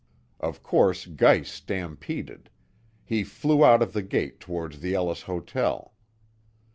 Of course Geiss stampeded. He flew out of the gate towards the Ellis Hotel.